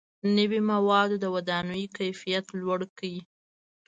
• نوي موادو د ودانیو کیفیت لوړ کړ.